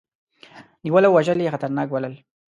نیول او وژل یې خطرناک بلل.